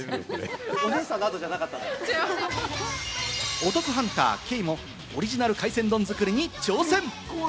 お得ハンター・兄もオリジナル海鮮丼作りに挑戦！